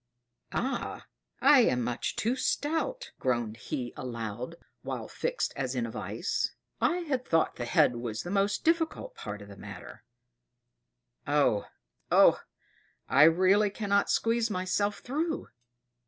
"Ah! I am much too stout," groaned he aloud, while fixed as in a vice. "I had thought the head was the most difficult part of the matter oh! oh! I really cannot squeeze myself through!"